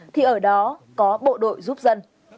thì ở đó có bộ đội giúp dân